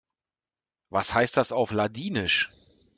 Was heißt das auf Ladinisch?